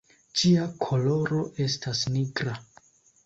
Ĝia koloro estas nigra.